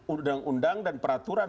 undang undang dan peraturan